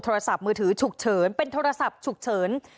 โทรศัพท์มือถือฉุกเฉินเป็นโทรศัพท์ฉุกเฉิน